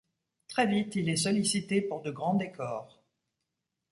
Très vite il est sollicité pour de grand décors.